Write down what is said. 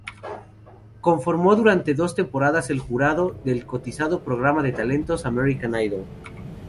Conformó durante dos temporadas el jurado del cotizado programa de talentos American Idol.